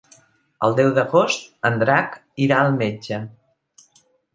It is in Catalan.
El deu d'agost en Drac irà al metge.